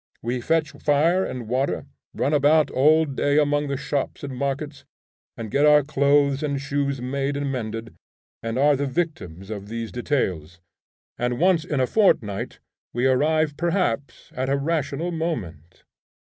We fetch fire and water, run about all day among the shops and markets, and get our clothes and shoes made and mended, and are the victims of these details; and once in a fortnight we arrive perhaps at a rational moment.